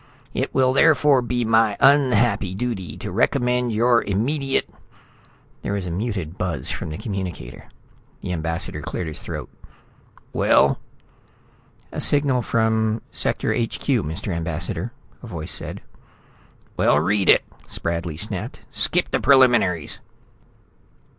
It will therefore be my unhappy duty to recommend your immediate " There was a muted buzz from the communicator. The ambassador cleared his throat. "Well?" "A signal from Sector HQ, Mr. Ambassador," a voice said. "Well, read it," Spradley snapped. "Skip the preliminaries."